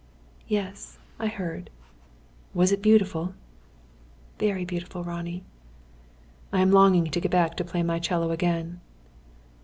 "Yes, I heard." "Was it beautiful?" "Very beautiful, Ronnie." "I am longing to get back to play my 'cello again."